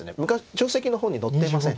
定石の本に載ってません。